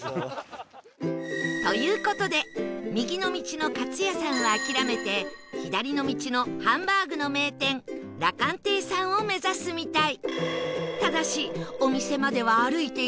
という事で右の道のカツ屋さんは諦めて左の道のハンバーグの名店ラカンテイさんを目指すみたい